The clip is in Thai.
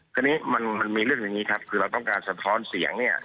ทีนี้มันมีเรื่องอย่างนี้ครับคือเราต้องการสะท้อนเสียงเนี่ย